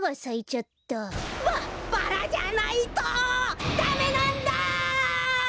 ババラじゃないとダメなんだ！